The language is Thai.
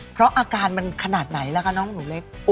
เพราะอาการมันขนาดไหนล่ะคะน้องหนูเล็ก